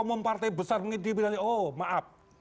umum partai besar mengintimidasi oh maaf